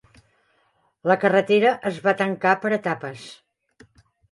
La carretera es va tancar per etapes.